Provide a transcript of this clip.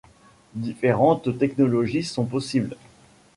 Différentes technologies sont possibles.